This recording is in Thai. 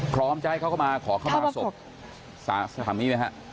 พร้อมจะให้เขาเข้ามาขอเข้ามาศพสถานนี้ไหมฮะ